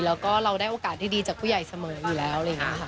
แล้วก็เราได้โอกาสที่ดีจากผู้ใหญ่เสมออยู่แล้ว